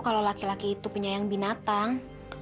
kalau laki laki itu penyayang binatang